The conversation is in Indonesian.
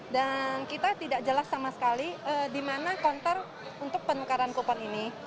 dan kita tidak jelas sama sekali di mana kontor untuk penukaran kupon ini